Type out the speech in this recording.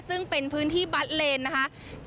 ซึ่งเป็นพื้นที่บัสเลนนะคะ